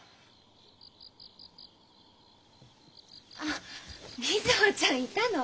あっ瑞穂ちゃんいたの？